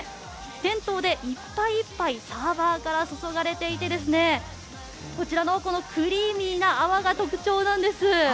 店頭で１杯１杯サーバーから注がれていてこちらのクリーミーな泡が特徴なんです。